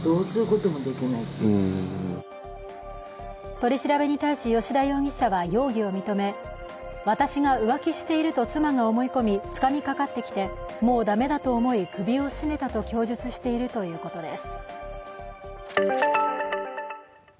取り調べに対し、吉田容疑者は容疑を認め、私が浮気していると妻が思い込みつかみかかってきてもう駄目だと思い、首を絞めたと供述しているということです。